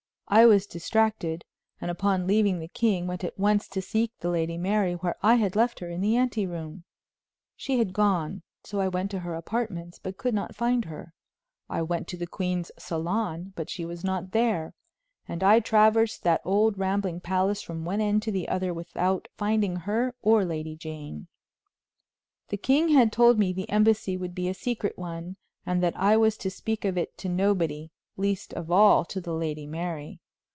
I was distracted; and upon leaving the king went at once to seek the Lady Mary where I had left her in the ante room. She had gone, so I went to her apartments, but could not find her. I went to the queen's salon, but she was not there, and I traversed that old rambling palace from one end to the other without finding her or Lady Jane. The king had told me the embassy would be a secret one, and that I was to speak of it to nobody, least of all to the Lady Mary.